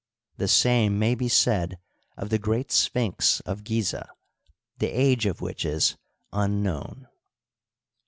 The same may be said of the great Sphinx of Gizeh, the age of which is unknown.